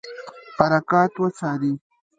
حرکات وڅاري.